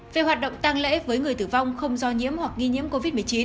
về hoạt động tăng lễ với người tử vong không do nhiễm hoặc nghi nhiễm covid một mươi chín